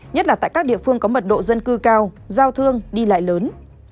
nhất là tại các địa phương có mật độ dân cư cao giao thương đi lại lớn